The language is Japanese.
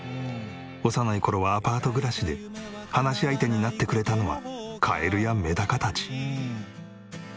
幼い頃はアパート暮らしで話し相手になってくれたのはカエルやメダカたち。